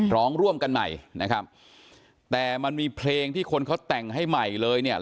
ร้องร่วมกันใหม่นะครับแต่มันมีเพลงที่คนเขาแต่งให้ใหม่เลยเนี่ย